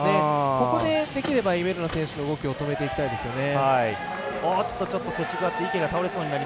ここで、できればイベルナ選手の動きを止めていきたいですよね。